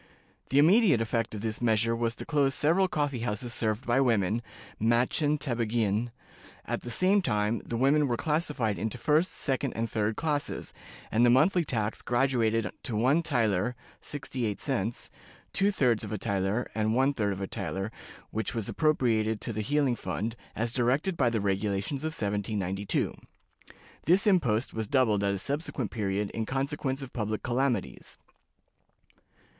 The immediate effect of this measure was to close several coffee houses served by women (mädchen tabagieen). At the same time, the women were classified into first, second, and third classes, and the monthly tax graduated to one thaler (sixty eight cents), two thirds of a thaler, and one third of a thaler, which was appropriated to the healing fund, as directed by the regulations of 1792. This impost was doubled at a subsequent period in consequence of public calamities.